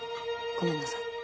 ごめんなさい。